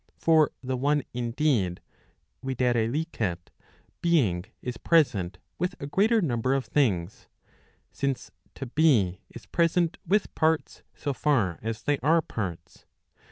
For the one indeed, viz. being, is present with a greater number of things ; since to be is present with parts, so tar as they are parts.